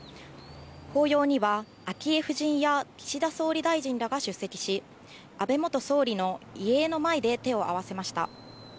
法要には昭恵夫人や岸田総理大臣らが出席し、安倍元総理の遺影の前で手を合わせました。